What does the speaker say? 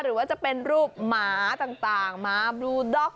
หรือว่าจะเป็นรูปหมาต่างหมาบลูด็อก